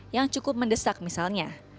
yang cukup mendesak misalnya